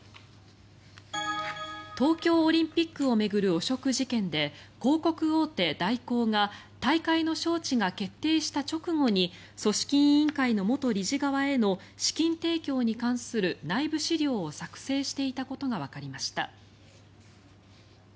東京オリンピックを巡る汚職事件で広告大手、大広が大会の招致が決定した直後に組織委員会の元理事側への資金提供に関する内部資料を作成していたことがわかりました。